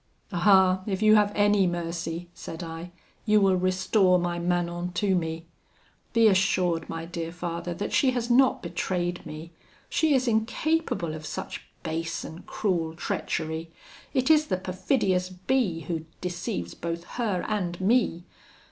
'Ah! if you have any mercy,' said I, 'you will restore my Manon to me. Be assured, my dear father, that she has not betrayed me; she is incapable of such base and cruel treachery. It is the perfidious B who deceives both her and me.